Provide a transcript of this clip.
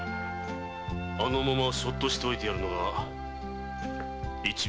あのままそっとしておいてやるのが一番いい。